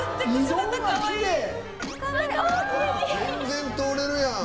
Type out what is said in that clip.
全然通れるやん。